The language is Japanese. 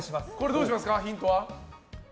どうしますか、ヒントは。